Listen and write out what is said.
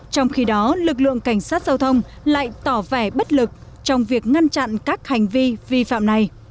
trong khi đó lực lượng cảnh sát giao thông lại tỏ vẻ bất lực trong việc ngăn chặn các hành vi vi phạm này